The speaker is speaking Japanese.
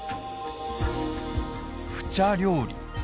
普茶料理。